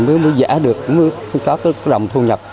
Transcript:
mới giả được mới có rộng thu nhập